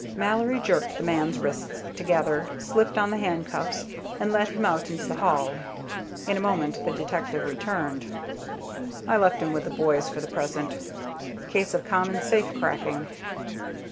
Mallory jerked the man's wrists together, slipped on the handcuffs, and led him out into the hall. In a moment the detective returned. "I left him with the boys, for the present. Case of common safe cracking."